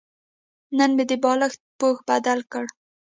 نن مې د بالښت پوښ بدل کړ.